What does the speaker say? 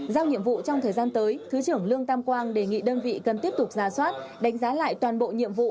giao nhiệm vụ trong thời gian tới thứ trưởng lương tam quang đề nghị đơn vị cần tiếp tục ra soát đánh giá lại toàn bộ nhiệm vụ